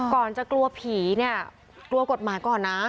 ก่อนจะกลัวผีเนี่ยกลัวกฎหมายก่อนนะ